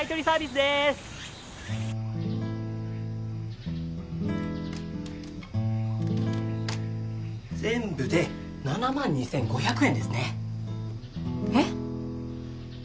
でーす全部で７万２５００円ですねえっ？